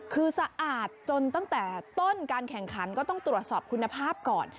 คือสะอาดจนตั้งแต่ต้นการแข่งขันก็ต้องตรวจสอบคุณภาพก่อน